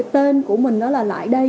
tên của mình là lại đầy